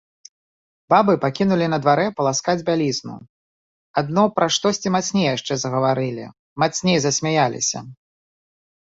Бабы пакінулі на дварэ паласкаць бялізну, адно пра штосьці мацней яшчэ загаварылі, мацней засмяяліся.